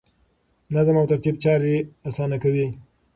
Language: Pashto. نظم او ترتیب چارې اسانه کوي.